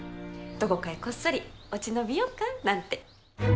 どこかへこっそり落ち延びようかなんて。